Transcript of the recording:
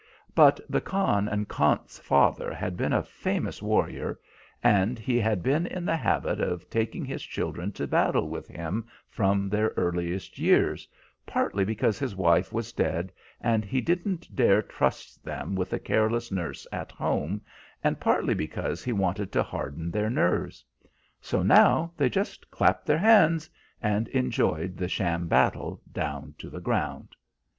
But the Khan and Khant's father had been a famous warrior, and he had been in the habit of taking his children to battle with him from their earliest years, partly because his wife was dead and he didn't dare trust them with the careless nurse at home, and partly because he wanted to harden their nerves. So now they just clapped their hands, and enjoyed the sham battle down to the ground.